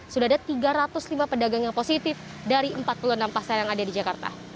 sudah ada tiga ratus lima pedagang yang positif dari empat puluh enam pasar yang ada di jakarta